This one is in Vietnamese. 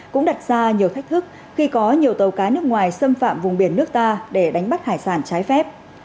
cũng đặt ra nhiều thách thức khi có nhiều tàu cá nước ngoài xâm phạm vùng biển nước ta để đánh bắt hải sản trái phép